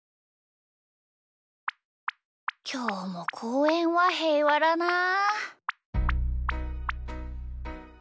きょうもこうえんはへいわだなあ。